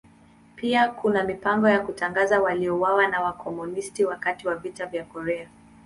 Pia kuna mipango ya kutangaza waliouawa na Wakomunisti wakati wa Vita vya Korea.